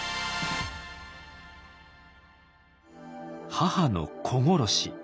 母の子殺し。